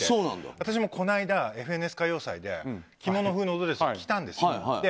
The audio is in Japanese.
私もこの間、「ＦＮＳ歌謡祭」で着物風のドレスを着たんですよ。